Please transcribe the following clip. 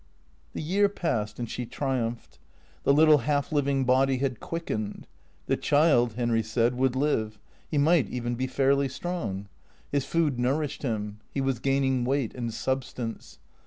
The year passed and she triumphed. The little half living body had quickened. The child, Henry said, would live; he might even be fairly strong. His food nourished him. He was gaining weight and substance.